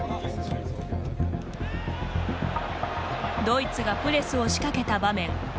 ドイツがプレスを仕掛けた場面。